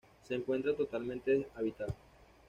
Se encuentra totalmente deshabitada.